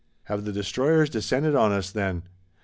Have the destroyers descended on us, then?